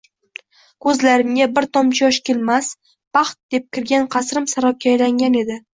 Ko`zlarimga bir tomchi yosh kelmas, baxt deb kirgan qasrim sarobga aylangan edi